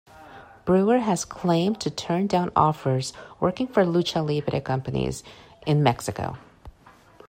Brewer has claimed to turn down offers working for lucha libre companies in Mexico.